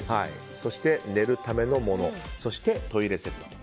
寝るためのものそして、トイレセット。